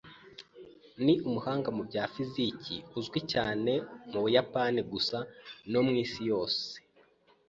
Ni umuhanga mu bya fiziki uzwi cyane mu Buyapani gusa no ku isi yose.